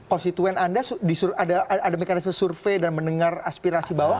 konstituen anda ada mekanisme survei dan mendengar aspirasi bawah